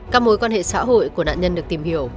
các mối quan hệ xã hội của nạn nhân được tìm hiểu